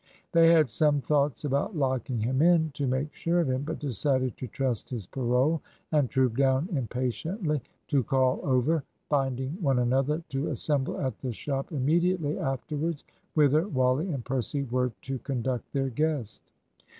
They had some thoughts about locking him in, to make sure of him, but decided to trust his parole, and trooped down impatiently to call over, binding one another to assemble at the shop immediately afterwards, whither Wally and Percy were to conduct their guest.